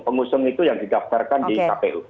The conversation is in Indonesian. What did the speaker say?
pengusung itu yang didaftarkan di kpu